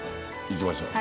行きましょう。